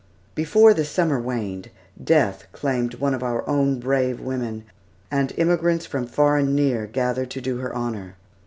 Before the summer waned, death claimed one of our own brave women, and immigrants from far and near gathered to do her honor.